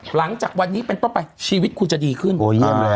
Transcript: หลังจากวันนี้เป็นต้นไปชีวิตคุณจะดีขึ้นโอ้เยี่ยมเลย